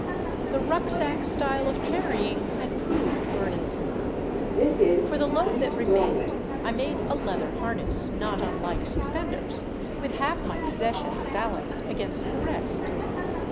The rucksack style of carrying had proved burdensome. For the load that remained I made a leather harness, not unlike suspenders, with half my possessions balanced against the rest.